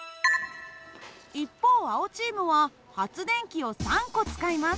一方青チームは発電機を３個使います。